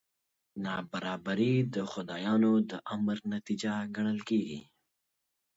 نابرابري د خدایانو د امر نتیجه ګڼل کېږي.